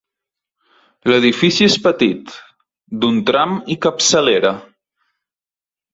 L'edifici és petit, d'un tram i capçalera.